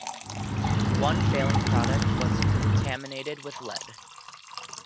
One failing product was contaminated with lead.